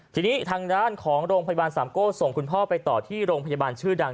ทีนี้ทางด้านของโรงพยาบาลสามโก้ส่งคุณพ่อไปต่อที่โรงพยาบาลชื่อดัง